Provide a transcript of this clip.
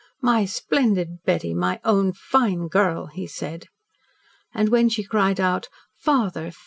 "My splendid Betty! My own fine girl!" he said. And when she cried out "Father!